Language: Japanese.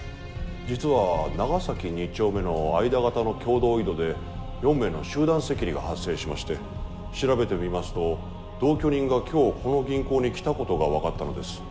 実は長崎２丁目の相田方の共同井戸で４名の集団赤痢が発生しまして調べてみますと同居人が今日この銀行に来たことが分かったのです。